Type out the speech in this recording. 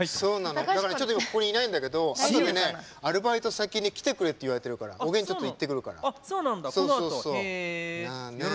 ここにいないんだけどあとでアルバイト先に来てくれって言われてるからおげん、ちょっと行ってくるから。